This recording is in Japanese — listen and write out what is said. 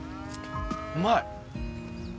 うまい！